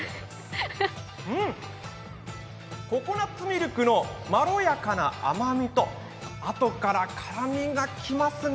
ココナッツミルクのまろやかな甘みとあとから絡みが来ますね。